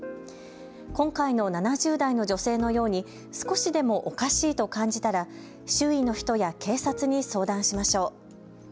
今回の７０代の女性のように少しでもおかしいと感じたら周囲の人や警察に相談しましょう。